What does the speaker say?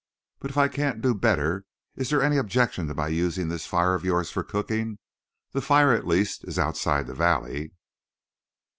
But if I can't do better is there any objection to my using this fire of yours for cooking? The fire, at least, is outside the valley."